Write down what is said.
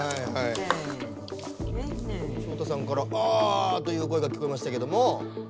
照太さんから「ああ」という声が聞こえましたけども。